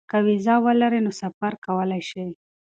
که وېزه ولري نو سفر کولی شي.